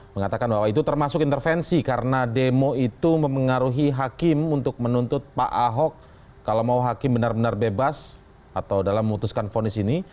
mengatakan bahwa itu termasuk intervensi karena demo itu mempengaruhi hakim untuk menuntut pak ahok kalau mau hakim benar benar bebas atau dalam memutuskan fonis ini